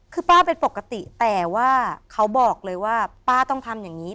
คือป้าเป็นปกติแต่ว่าเขาบอกเลยว่าป้าต้องทำอย่างนี้